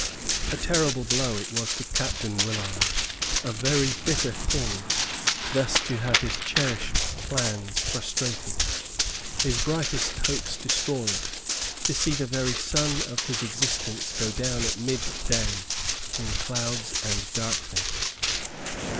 A terrible blow it was to Capt. Willard; a very bitter thing thus to have his cherished plans frustrated, his brightest hopes destroyed; to see the very sun of his existence go down at midday in clouds and darkness.